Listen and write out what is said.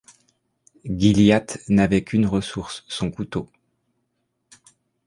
Gilliatt n’avait qu’une ressource, son couteau.